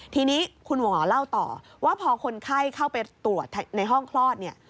ทีนี้คุณหมอเล่าต่อว่าพอคนไข้เข้าไปตรวจในห้องคลอดเนี่ย